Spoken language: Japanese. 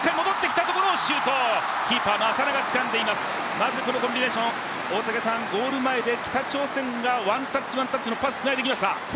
まずこのコンビネーションゴール前で北朝鮮がワンタッチ、ワンタッチのパスをつないできました。